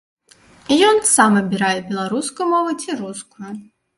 І ён сам абірае беларускую мову ці рускую.